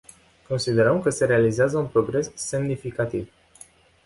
Considerăm că se realizează un progres semnificativ.